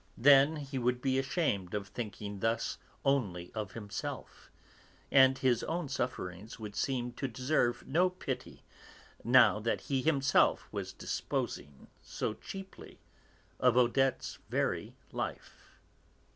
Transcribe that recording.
Then he would be ashamed of thinking thus only of himself, and his own sufferings would seem to deserve no pity now that he himself was disposing so cheaply of Odette's very life.